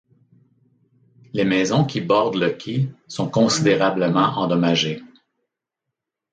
Les maisons qui bordent le quai sont considérablement endommagées.